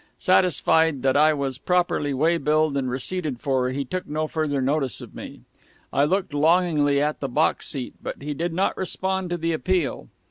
Satisfied that I was properly waybilled and receipted for, he took no further notice of me. I looked longingly at the box seat, but he did not respond to the appeal.